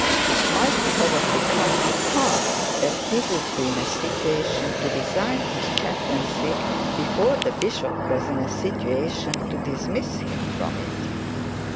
It might probably come to pass that he would be in a situation to resign his chaplaincy before the bishop was in a situation to dismiss him from it.